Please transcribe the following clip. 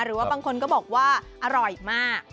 หรือว่าบางคนก็บอกว่าอร่อยมาก